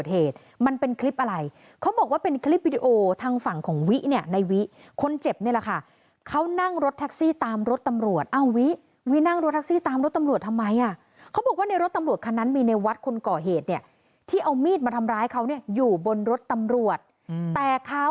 เหมือนเตรียมการมาแล้วก็เปิดได้บอกว่าฟักมีดออกมาเลย